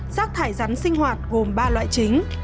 rác thải rắn sinh hoạt gồm ba loại chính